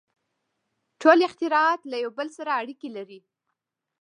• ټول اختراعات له یو بل سره اړیکې لري.